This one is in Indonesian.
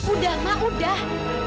udah ma udah